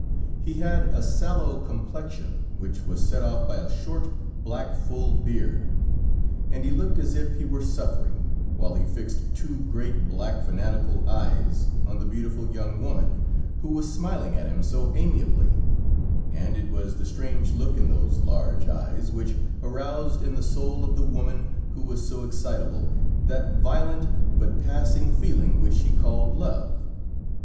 He had a sallow complexion, which was set off by a short, black full beard, and he looked as if he were suffering, while he fixed two, great, black fanatical eyes on the beautiful young woman, who was smiling at him so amiably, and it was the strange look in those large eyes which aroused in the soul of the woman who was so excitable, that violent, but passing feeling which she called love.